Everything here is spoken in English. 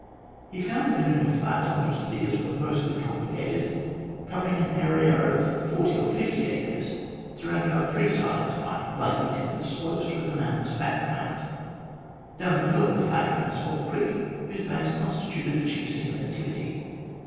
He found the Canoona flat, on which the diggers were mostly congregated, covering an area of forty or fifty acres, surrounded on three sides by lightly timbered slopes, with a mountainous background. Down the middle of the flat ran a small creek, whose banks con stituted the chief scene of activity.